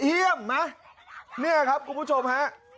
เฮียมนะนี่ค่ะครับคุณผู้ชมฮะ